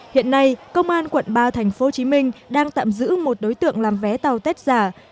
hiện nay công an quận ba tp hcm đang tạm giữ một đối tượng làm vé tàu tết giả